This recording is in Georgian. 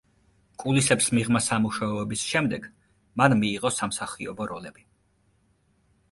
კულისებს მიღმა სამუშაოების შემდეგ მან მიიღო სამსახიობო როლები.